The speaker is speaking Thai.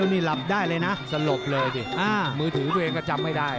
สลบเลยสิมือถือตัวเองก็จำไม่ได้